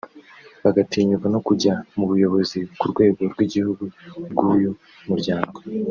bagatinyuka no kujya mu buyobozi ku rwego rw’igihugu bw’uyu muryango